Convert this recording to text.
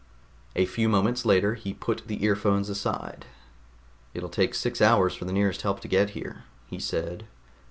A few moments later he put the earphones aside. "It'll take six hours for the nearest help to get here," he said.